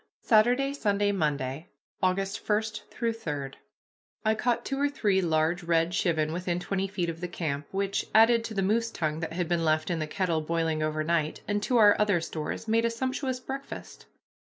X SATURDAY, SUNDAY, MONDAY AUGUST 1 3 I caught two or three large red chivin within twenty feet of the camp, which, added to the moose tongue that had been left in the kettle boiling over night, and to our other stores, made a sumptuous breakfast.